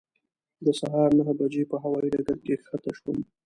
د سهار نهه بجې په هوایي ډګر کې کښته شوم.